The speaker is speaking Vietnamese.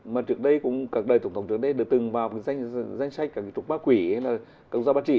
mà trước đây cũng các đời tổng thống trước đây đã từng vào danh sách các quốc gia bất trị